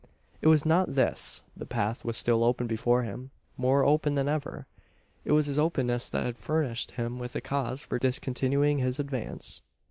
It was not this. The path was still open before him more open than ever. It was its openness that had furnished him with a cause for discontinuing his advance.